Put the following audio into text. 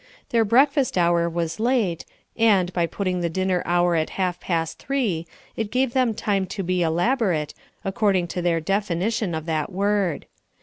Their breakfast hour was late, and, by putting the dinner hour at half past three, it gave them time to be elaborate, according to their definition of that word.